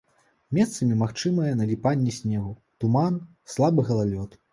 Месцамі магчымае наліпанне снегу, туман, слабы галалёд.